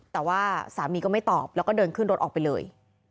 แต่ว่าสามีก็ไม่ตอบแล้วก็เดินขึ้นรถออกไปเลย